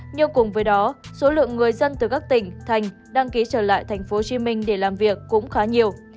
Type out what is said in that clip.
nhưng cùng với đó số lượng người dân từ các tỉnh thành đăng ký trở lại tp hcm để làm việc cũng khá nhiều